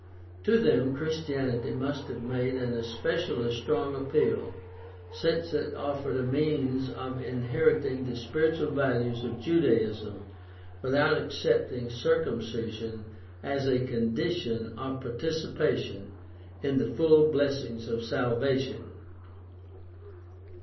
To them Christianity must have made an especially strong appeal since it offered a means of inheriting the spiritual values of Judaism without accepting circumcision as a condition of participation in the full blessings of salvation.